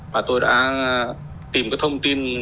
và tôi đã tìm cái thông tin